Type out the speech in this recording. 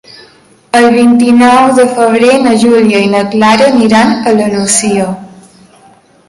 El vint-i-nou de febrer na Júlia i na Carla aniran a la Nucia.